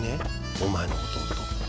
お前の弟。